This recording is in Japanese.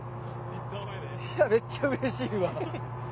めっちゃうれしいわ。